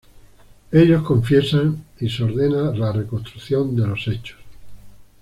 Ellos confiesan y se ordena la reconstrucción de los hechos.